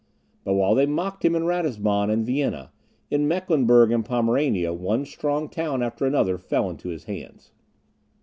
But while they mocked him in Ratisbon and Vienna, in Mecklenburg and Pomerania, one strong town after another fell into his hands.